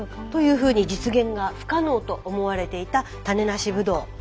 ふうに実現が不可能と思われていた種なしブドウ。